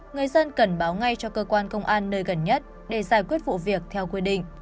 người dân cần báo ngay cho cơ quan công an nơi gần nhất để giải quyết vụ việc theo quy định